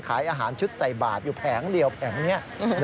ขายอาหารชุดใส่บาทอยู่แผงเดียวแผงนี้